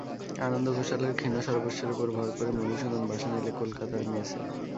আনন্দ ঘোষালের ক্ষীণ সর্বস্বের উপর ভর করে মধুসূদন বাসা নিলে কলকাতার মেসে।